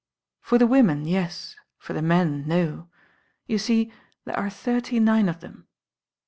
"For the women, yes. for the men, no. You see there are thirty nme of them."